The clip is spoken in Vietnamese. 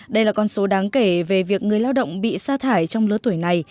đây là con số đáng kể về việc người lao động bị xa thải trong lứa tuổi này